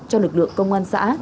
cho lực lượng công an xã